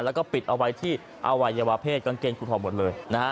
แล้วก็ปิดเอาไว้ที่อวัยวะเพศกางเกงกุทองหมดเลยนะฮะ